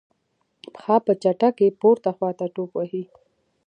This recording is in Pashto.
پښه په چټکۍ پورته خواته ټوپ وهي.